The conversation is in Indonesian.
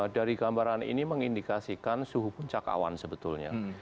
dari gambaran ini mengindikasikan suhu puncak awan sebetulnya